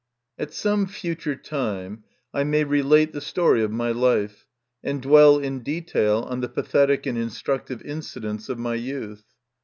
At some future time I may relate the story of my life, and dwell in detail on the pathetic and instructive incidents of my youth.